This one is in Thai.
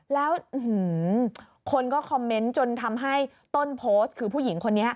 แล้วคนก็คอมเมนต์จนทำให้ต้นโพสต์คือผู้หญิงคนนี้